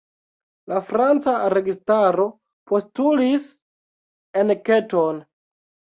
La franca registaro postulis enketon.